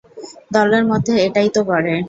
দলের মধ্যে এটাই তো করে।